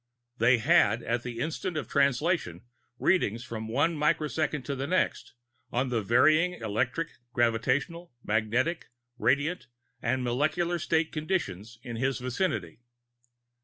They had, for the instant of Translation, readings from one microsecond to the next on the varying electric, gravitational, magnetic, radiant and molecular state conditions in his vicinity.